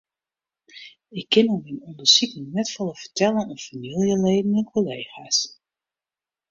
Ik kin oer myn ûndersiken net folle fertelle oan famyljeleden en kollega's.